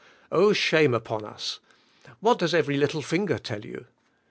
Oh, shame upon us! What does every little finger tell you?